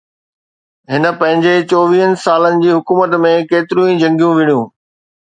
هن پنهنجي چوويهه سالن جي حڪومت ۾ ڪيتريون ئي جنگيون وڙهيون